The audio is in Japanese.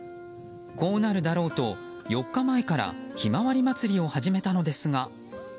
こうなるだろうと４日前からひまわりまつりを始めたのですが。